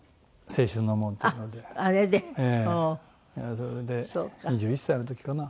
それで２１歳の時かな？